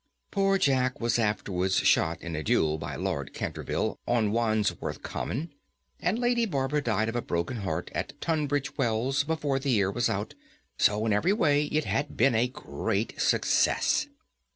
Poor Jack was afterwards shot in a duel by Lord Canterville on Wandsworth Common, and Lady Barbara died of a broken heart at Tunbridge Wells before the year was out, so, in every way, it had been a great success.